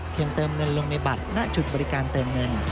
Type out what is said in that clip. เติมเงินลงในบัตรณจุดบริการเติมเงิน